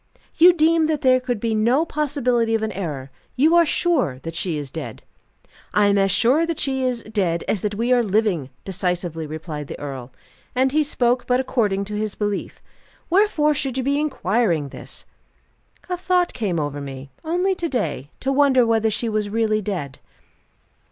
"You deem that there could be no possibility of an error? You are sure that she is dead?" "I am as sure that she is dead as that we are living," decisively replied the earl: and he spoke but according to his belief. "Wherefore should you be inquiring this?" "A thought came over me only to day to wonder whether she was really dead."